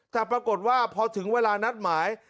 แต่ปรากฏว่าพอถึงเวลานัดหมาย